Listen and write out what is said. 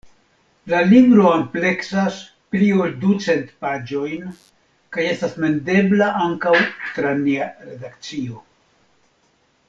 La libro ampleksas pli ol ducent paĝojn, kaj estas mendebla ankaŭ tra nia redakcio.